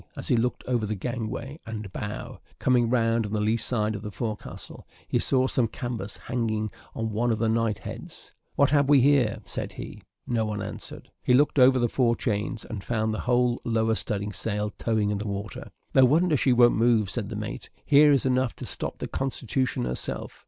As he looked over the gangway and bow, coming round on the lee side of the forecastle, he saw some canvas hanging on one of the night heads "What have we here?" said he. No one answered. He looked over the fore chains, and found the whole lower studding sail towing in the water. "No wonder she don't move," said the mate; "here is enough to stop the Constitution herself.